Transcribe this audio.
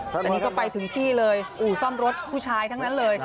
แต่นี่ก็ไปถึงที่เลยอู่ซ่อมรถผู้ชายทั้งนั้นเลย